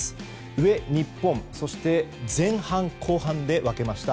上、日本そして前半後半で分けました。